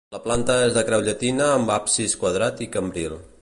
La planta és de creu llatina amb absis quadrat i cambril.